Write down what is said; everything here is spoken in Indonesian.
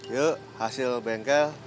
yuk hasil bengkel